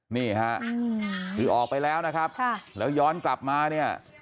นี่ค่ะคือออกไปแล้วนะครับแล้วย้อนกลับมาเนี่ย